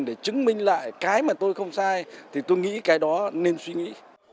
để chứng minh lại cái mà tôi không sai thì tôi nghĩ cái đó nên suy nghĩ